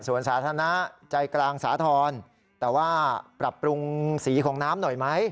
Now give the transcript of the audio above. ส่วนสาธารณะใจกลางสาธรณ์แต่ว่าปรับปรุงสีของน้ำหน่อยไหม